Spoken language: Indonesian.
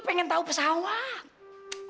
pengen tahu pesawat